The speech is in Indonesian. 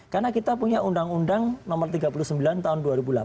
karena kita punya undang undang nomor tiga puluh sembilan tahun dua ribu delapan